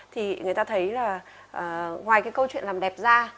thì người ta thấy là ngoài cái câu chuyện làm đẹp ra